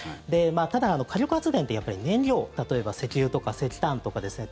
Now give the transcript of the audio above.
ただ、火力発電って、燃料例えば石油とか石炭とかですね